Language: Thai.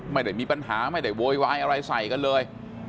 ไม่ได้มีปัญหาไม่ได้โวยวายอะไรใส่กันเลย